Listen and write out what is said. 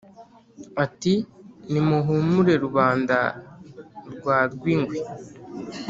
Ati : nimuhumure Rubanda rwa Rwingwe